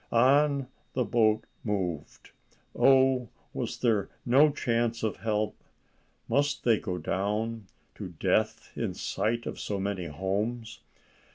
On, on the boat moved. Oh, was there no chance of help? Must they go down, to death in sight of so many homes?